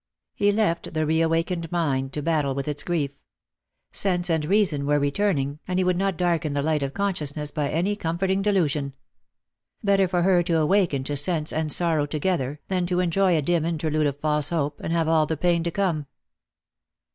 He left the reawakened mind to battle with its grief. Sense and reason were returning, and he would not darken the light of consciousness by any comforting delusion. Better for her to awaken to sense and sorrow together, than to enjoy a dim interlude of false hope, and to have all the pain to come.